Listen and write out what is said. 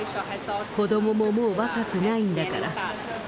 子どもももう若くないんだから。